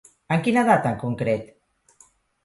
En quina data en concret?